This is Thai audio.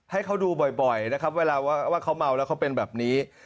ให้เขาดูบ่อยนะครับเวลาว่าเขาเมาแล้วเขาเป็นแบบนี้